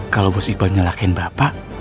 kalau bos iba nyalahkan bapak